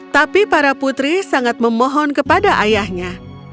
tapi para putri sangat memohon kepada ayahnya